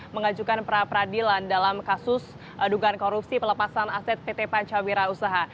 mengajukan pra peradilan dalam kasus dugaan korupsi pelepasan aset pt pancawira usaha